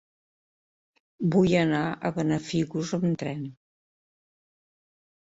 Vull anar a Benafigos amb tren.